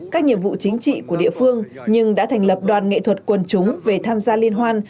các nhiệm vụ chính trị của địa phương nhưng đã thành lập đoàn nghệ thuật quần chúng về tham gia liên hoan